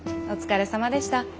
お疲れさまでした。